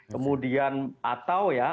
kemudian atau ya